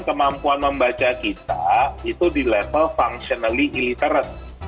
kemampuan membaca kita itu di level functionally illiterate